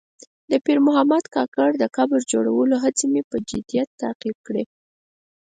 د پیر محمد کاکړ د قبر جوړولو هڅې مې په جدیت تعقیب کړې.